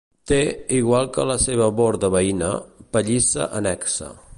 Té, igual que la seva borda veïna, pallissa annexa.